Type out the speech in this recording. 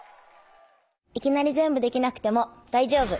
いきなりぜんぶできなくてもだいじょうぶ！